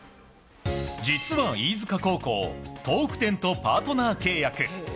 実は、飯塚高校豆腐店とパートナー契約。